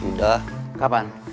umroh berjalan dan ngayman